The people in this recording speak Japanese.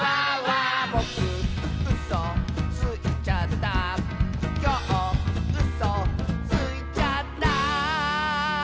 「ぼくうそついちゃった」「きょううそついちゃった」